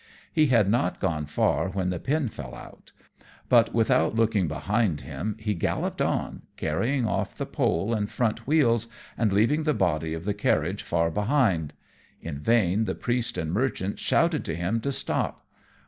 He had not gone far when the pin fell out; but, without looking behind him, he galloped on, carrying off the pole and front wheels, and leaving the body of the carriage far behind. In vain the Priest and Merchant shouted to him to stop.